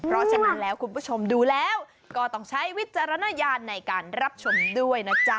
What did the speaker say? เพราะฉะนั้นแล้วคุณผู้ชมดูแล้วก็ต้องใช้วิจารณญาณในการรับชมด้วยนะจ๊ะ